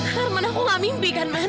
harman aku gak mimpikan ma